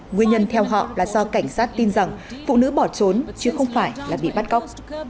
nguyên nhân theo họ là do cảnh sát tin rằng phụ nữ bỏ trốn chứ không phải là bị bắt cóc